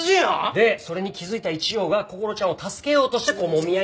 でそれに気づいた一条がこころちゃんを助けようとしてこうもみ合いになって。